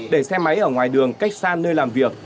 để xe máy ở ngoài đường cách xa nơi làm việc